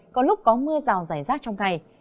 có lúc có mưa rào giải rác trong ngày